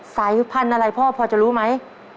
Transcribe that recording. สายพันธุ์อะไรพ่อพอจะรู้ไหม